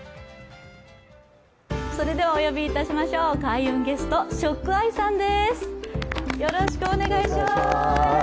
それではお呼びいたしましょう、開運ゲスト、ＳＨＯＣＫＥＹＥさんです。